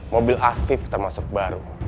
mobil alvis termasuk baru